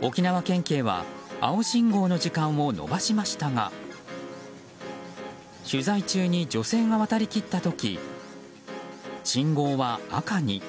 沖縄県警は青信号の時間を延ばしましたが取材中に女性が渡り切った時信号は赤に。